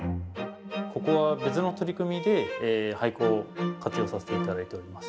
ここは別の取り組みで、廃校を活用させていただいております。